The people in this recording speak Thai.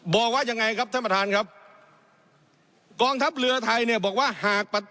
บอกว่ายังไงครับท่านประธานครับกองทัพเรือไทยเนี่ยบอกว่าหาก